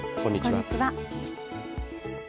こんにちは。